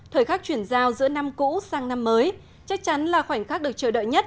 thời khắc chuyển giao giữa năm cũ sang năm mới chắc chắn là khoảnh khắc được chờ đợi nhất